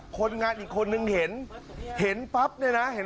คนงานอีกคนลงได้เห็น